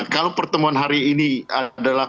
kalau pertemuan hari ini adalah